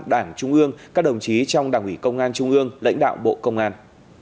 đảng trung ương các đồng chí trong đảng ủy công an trung ương lãnh đạo bộ công an